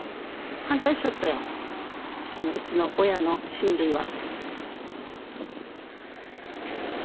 反対しよったよ、うちの親の親類は。